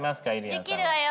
できるわよ。